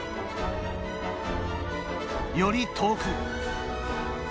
より遠く。